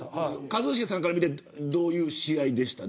一茂さんから見てどういう試合でした。